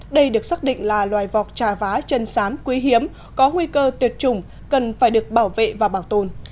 đây được xác định là loài vọc trà vá chân sám quý hiếm có nguy cơ tuyệt chủng cần phải được bảo vệ và bảo tồn